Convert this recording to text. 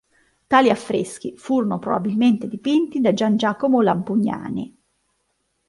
Tali affreschi furono probabilmente dipinti da Gian Giacomo Lampugnani.